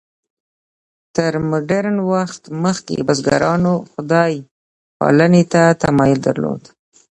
تر مډرن وخت مخکې بزګرانو خدای پالنې ته تمایل درلود.